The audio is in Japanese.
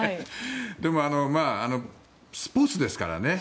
でも、スポーツですからね。